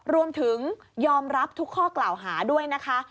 รวมถึงยอมรับทุกข้อกล่าวหาด้วยนะคะ